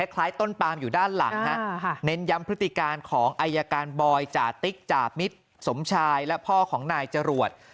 คล้ายต้นปามอยู่ด้านหลังเน้นย้ำพฤติการของอายการบอยจ่าติ๊กจ่ามิตรสมชายและพ่อของนายจรวด